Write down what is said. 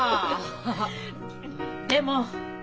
でも。